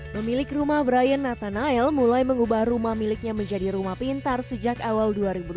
memiliki rumah brian nathaniel mulai mengubah rumah miliknya menjadi rumah pintar sejak awal